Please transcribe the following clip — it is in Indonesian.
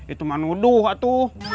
itu manuduh itu